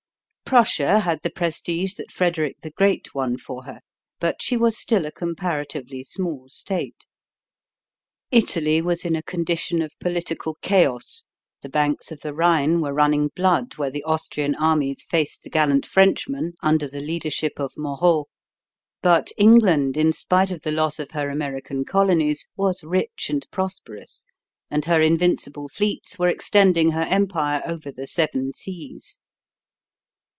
Prussia had the prestige that Frederick the Great won for her, but she was still a comparatively small state. Italy was in a condition of political chaos; the banks of the Rhine were running blood where the Austrian armies faced the gallant Frenchmen under the leadership of Moreau. But England, in spite of the loss of her American colonies, was rich and prosperous, and her invincible fleets were extending her empire over the seven seas.